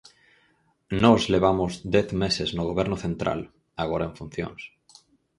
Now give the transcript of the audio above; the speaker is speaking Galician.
Nós levamos dez meses no Goberno central, agora en funcións.